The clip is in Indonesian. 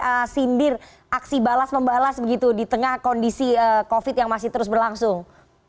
ada sindir aksi balas membalas begitu di tengah kondisi covid yang masih terus berlangsung